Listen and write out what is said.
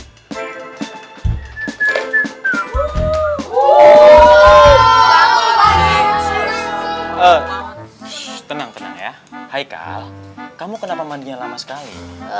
tenang tenang ya haikal kamu kenapa mandinya lama sekali